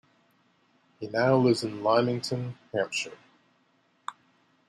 He now lives in Lymington, Hampshire.